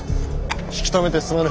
引き止めてすまぬ。